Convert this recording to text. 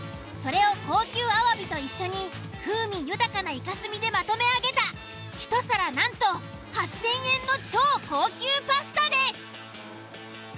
それを高級アワビと一緒に風味豊かなイカ墨でまとめ上げた１皿なんと８、０００円の超高級パスタです。